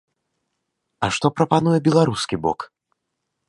А што прапануе беларускі бок?